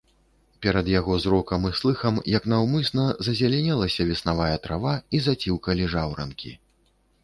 Перад яго зрокам і слыхам як наўмысна зазелянелася веснавая трава і заціўкалі жаўранкі.